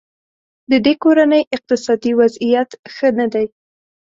ددې کورنۍ اقتصادي وضیعت ښه نه دی.